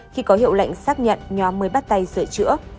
khi có hiệu lệnh xác nhận nhóm mới bắt tay sửa chữa